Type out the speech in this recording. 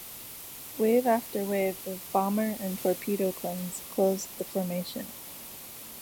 Wave after wave of bomber and torpedo planes closed the formation.